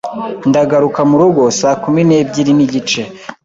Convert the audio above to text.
Ndagaruka murugo saa kumi n'ebyiri n'igice.